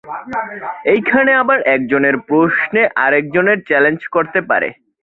এইখানে আবার এক জনের প্রশ্নে আরেকজন চ্যালেঞ্জ করতে পারে।